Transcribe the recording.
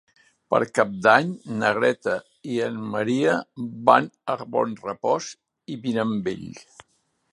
Per Cap d'Any na Greta i en Maria van a Bonrepòs i Mirambell.